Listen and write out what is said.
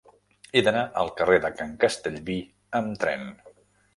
He d'anar al carrer de Can Castellví amb tren.